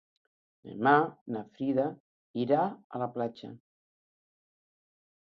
Demà na Frida irà a la platja.